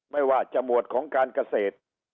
ไม่ว่าจมูดของการเกษตร